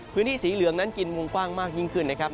พื้นที่สีเหลืองนั้นกินวงกว้างมากยิ่งขึ้นนะครับ